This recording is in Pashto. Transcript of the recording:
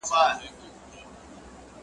که غاپې نه، لکۍ خو دي دينگه ونيسه.